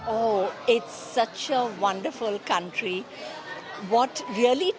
oh ini adalah negara yang sangat menarik